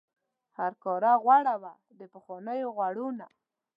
هرکاره غوړه وه د پخوانیو غوړو نه.